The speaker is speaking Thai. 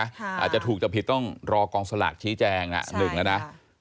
อาจจะถูกจะผิดต้องรอกองสลากชี้แจงนะหนึ่งแล้วนะ